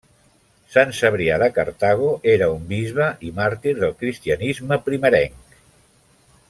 Sant Cebrià de Cartago era un bisbe i màrtir del cristianisme primerenc.